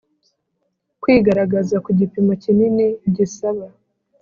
Kwigaragaza ku gipimo kinini gisaba